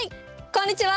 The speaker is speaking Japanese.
こんにちは。